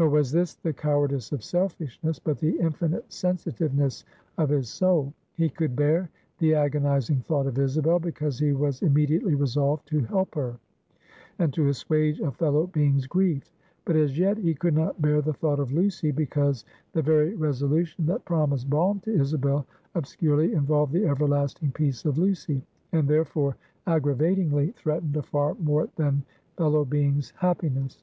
Nor was this the cowardice of selfishness, but the infinite sensitiveness of his soul. He could bear the agonizing thought of Isabel, because he was immediately resolved to help her, and to assuage a fellow being's grief; but, as yet, he could not bear the thought of Lucy, because the very resolution that promised balm to Isabel obscurely involved the everlasting peace of Lucy, and therefore aggravatingly threatened a far more than fellow being's happiness.